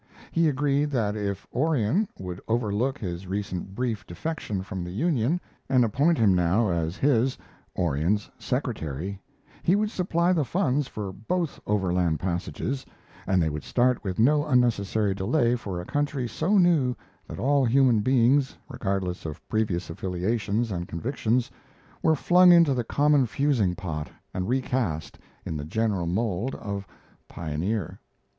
He agreed that if Orion would overlook his recent brief defection from the Union and appoint him now as his (Orion's) secretary, he would supply the funds for both overland passages, and they would start with no unnecessary delay for a country so new that all human beings, regardless of previous affiliations and convictions, were flung into the common fusing pot and recast in the general mold of pioneer.